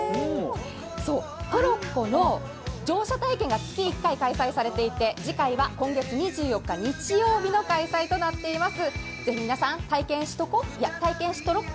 そう、トロッコの乗車体験が月１回開催されていて、次回は今月２４日日曜日の開催となっています。